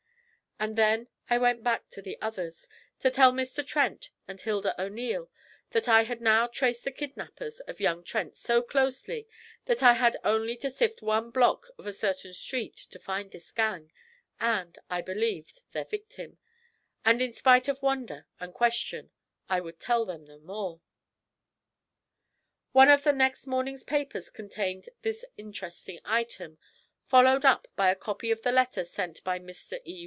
And then I went back to the others, to tell Mr. Trent and Hilda O'Neil that I had now traced the kidnappers of young Trent so closely that I had only to sift one block of a certain street to find the gang and, I believed, their victim; and, in spite of wonder and question, I would tell them no more. One of the next morning's papers contained this interesting item, followed up by a copy of the letter sent by Mr. 'E.